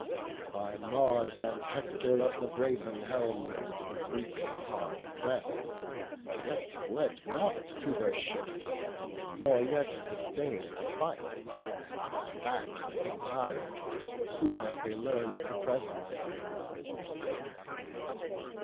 By Mars and Hector of the brazen helm The Greeks hard press'd, yet fled not to their ships, Nor yet sustain'd the fight; but back retir'd Soon as they learned the presence of the God.